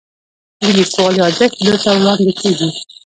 د لیکوال یادښت دلته وړاندې کیږي.